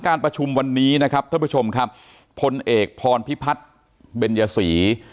การประชุมวันนี้นะครับท่านผู้ชมครับพลเอกพรพิพัฒน์เบญยศรี